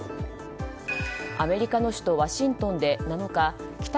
アメリカの首都ワシントンで７日帰宅